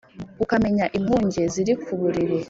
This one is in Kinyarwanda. ukamenya ikunge ziri ku buriri!